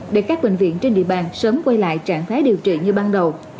để các bệnh viện trên địa bàn sớm quay lại trạng thái điều trị như ban đầu